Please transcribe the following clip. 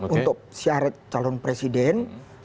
untuk syarat calon presiden